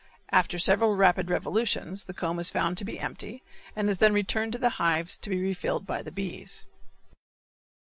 After several rapid revolutions the comb is found to be empty and is then returned to the hives to be refilled by the bees.